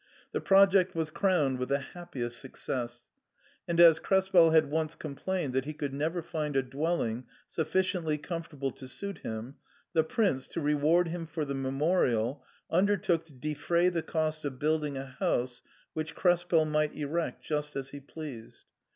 The project was crowned with the happiest success; and as Krespel had once complained that he could never find a dwelling sufficiently comfortable to suit him, the prince, to reward him for the memorial, undertook to defray the cost of building a house which Krespel might erect just as he pleased.